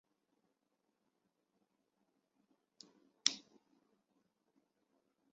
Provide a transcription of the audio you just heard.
罗阿诺克是美国维吉尼亚州西南部的一个独立城市。